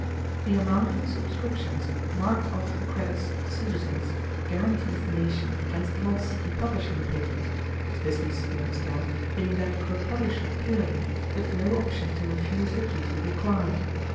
The amount of the subscriptions marked off the credits of the citizens guarantees the nation against loss in publishing the paper, its business, you understand, being that of a publisher purely, with no option to refuse the duty required.